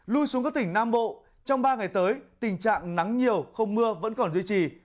lui xuống các tỉnh nam bộ trong ba ngày tới tình trạng nắng nhiều không mưa vẫn còn duy trì